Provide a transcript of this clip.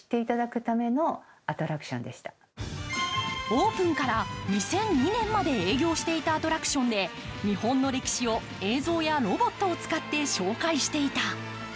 オープンから２００２年まで営業していたアトラクションで日本の歴史を映像やロボットを使って紹介していた。